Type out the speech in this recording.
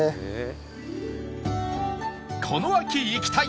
この秋行きたい！